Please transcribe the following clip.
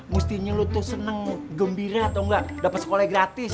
mestinya lo tuh seneng gembira atau enggak dapat sekolah gratis